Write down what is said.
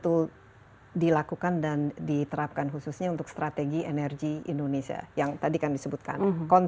ini perlu betul betul dilakukan dan diterapkan khususnya untuk strategi energi indonesia yang tadi kami sebutkan